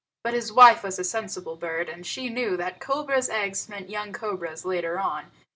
But his wife was a sensible bird, and she knew that cobra's eggs meant young cobras later on.